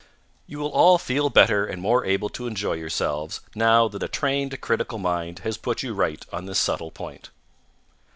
You will all feel better and more able to enjoy yourselves now that a trained critical mind has put you right on this subtle point.